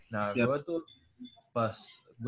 nah gue tuh pas